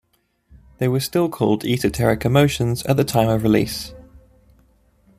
They were still called Esoteric Emotions at the time of release.